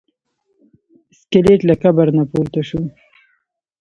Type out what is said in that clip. سکلیټ له قبر نه پورته شو.